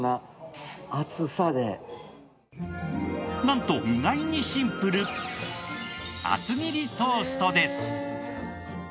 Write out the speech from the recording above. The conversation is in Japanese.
なんと意外にシンプル厚切りトーストです。